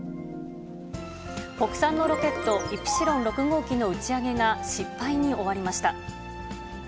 国産のロケット、イプシロン６号機の打ち上げが失敗に終わりました。